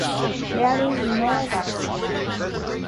There is no vaccine.